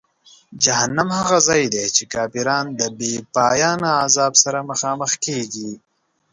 جهنم هغه ځای دی چې کافران د بېپایانه عذاب سره مخامخ کیږي.